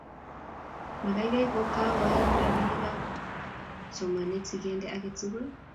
Mekat kokoito robinikab somanet siginde age tugul